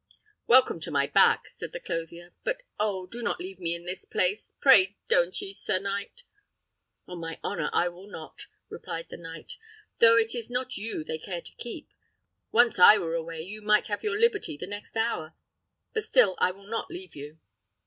"Welcome to my back," said the clothier: "but, oh! do not leave me in this place; pray don't ye, sir knight!" "On my honour I will not!" replied the knight, "though it is not you they care to keep. Once I were away, you might have your liberty the next hour. But still I will not leave you."